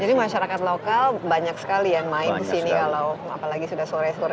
jadi masyarakat lokal banyak sekali yang main kesini kalau apalagi sudah sore sore